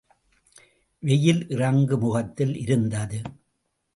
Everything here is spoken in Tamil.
வெயில் இறங்கு முகத்தில் இருந்தது.